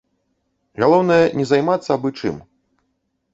Галоўнае не займацца абы чым.